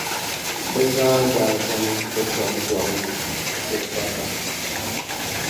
bɛ zaa daa zani bɛ tɔb’ gɔri ni Zɛfata.